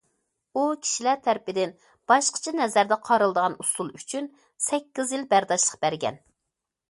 ئۇ كىشىلەر تەرىپىدىن باشقىچە نەزەردە قارىلىدىغان ئۇسسۇل ئۈچۈن سەككىز يىل بەرداشلىق بەرگەن.